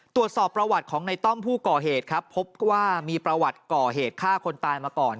ตรวจสอบประวัติของในต้อมผู้ก่อเหตุครับพบว่ามีประวัติก่อเหตุฆ่าคนตายมาก่อน